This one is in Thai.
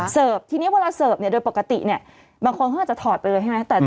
เสิร์ฟทีนี้เวลาเสิร์ฟโดยปกติบางคนก็อาจจะถอดไปเลยใช่ไหม